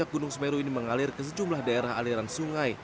gunung semeru ini mengalir ke sejumlah daerah aliran sungai